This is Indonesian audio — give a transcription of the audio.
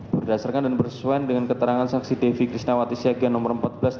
berdasarkan dan bersuai dengan keterangan saksi devi krisnawati siagian nomor empat belas tiga puluh satu